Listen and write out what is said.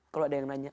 kalau ada yang nanya